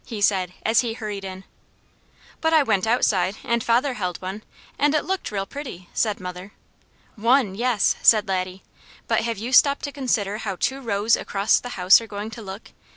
he said as he hurried in. "But I went outside and father held one, and it looked real pretty," said mother. "One! Yes!" said Laddie. "But have you stopped to consider how two rows across the house are going to look?